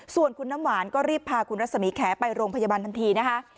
ส่วนคุณน้ำหวานก็รีบพาคุณรัศมีแขไปโรงพยาบาลทันทีนะคะ